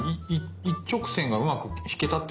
一直線がうまく引けたってこと？